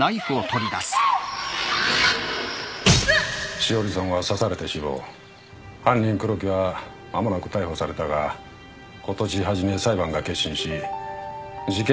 栞さんは刺されて死亡犯人・黒木はまもなく逮捕されたが今年初め裁判が結審し事件